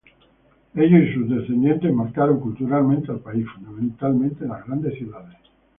Ellos y sus descendientes marcaron culturalmente al país, fundamentalmente en las grandes ciudades.